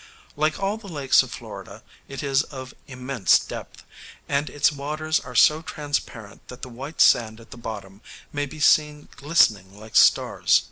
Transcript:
Like all the lakes of Florida, it is of immense depth, and its waters are so transparent that the white sand at the bottom may be seen glistening like stars.